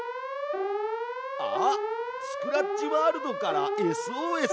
あっスクラッチワールドからＳＯＳだ！